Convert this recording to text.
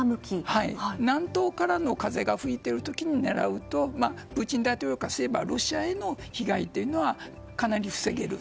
南東からの風が吹いている時に狙うとプーチン大統領からすればロシアへの被害はかなり防げる。